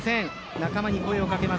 仲間に声をかけます